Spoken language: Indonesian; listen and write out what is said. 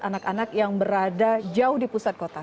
anak anak yang berada jauh di pusat kota